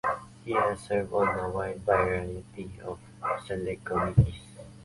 He has served on a wide variety of select committees.